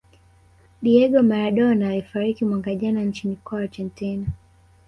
diego maradona alifariki mwaka jana nchini kwao argentina